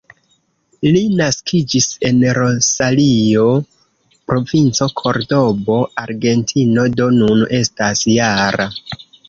Li naskiĝis en Rosario, Provinco Kordobo, Argentino, do nun estas -jara.